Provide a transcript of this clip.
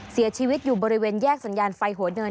เสียชีวิตอยู่บริเวณแยกสัญญาณไฟหัวเนิน